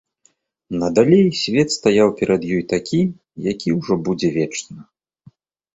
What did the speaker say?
Надалей свет стаяў перад ёю такі, які ўжо будзе вечна.